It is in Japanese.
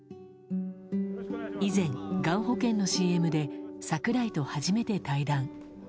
以前、がん保険のＣＭで櫻井と初めて対談。